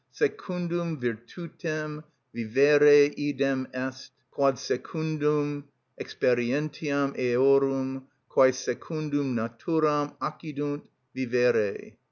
(_Secundum virtutem vivere idem est, quod secundum experientiam eorum, quæ secundum naturam accidunt, vivere.